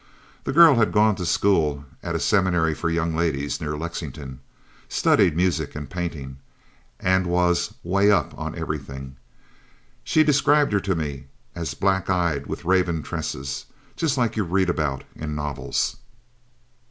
This girl had gone to school at a seminary for young ladies near Lexington, studied music and painting and was 'way up on everything. She described her to me as black eyed with raven tresses, just like you read about in novels.